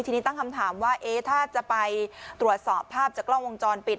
ทีนี้ตั้งคำถามว่าถ้าจะไปตรวจสอบภาพจากกล้องวงจรปิด